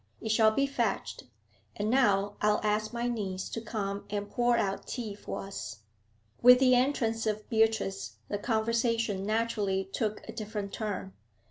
'It shall be fetched. And now I'll ask my niece to come and pour out tea for us.' With the entrance of Beatrice the conversation naturally took a different turn.